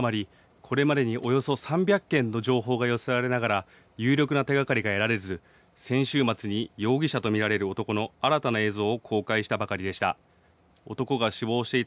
これまでにおよそ３００件の情報が寄せられながら、有力な手がかりが得られず先週末に容疑者と見られる男の新たな映像を公開したばかりでした。